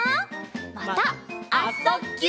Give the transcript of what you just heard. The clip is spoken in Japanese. また「あ・そ・ぎゅ」